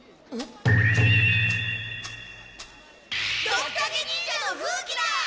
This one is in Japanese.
ドクタケ忍者の風鬼だ！